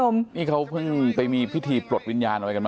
เมื่อเวลาอันดับ